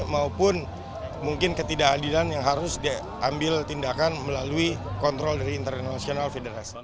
maupun mungkin ketidakadilan yang harus diambil tindakan melalui kontrol dari international federasi